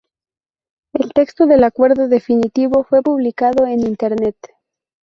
El texto del acuerdo definitivo fue publicado en Internet.